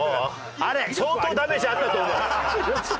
あれ相当ダメージあったと思う。